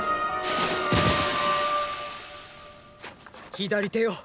左手よ